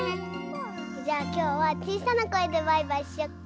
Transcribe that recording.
じゃあきょうはちいさなこえでバイバイしよっか？